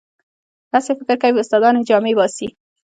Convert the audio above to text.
هسې فکر کوي استادان یې جامې وباسي.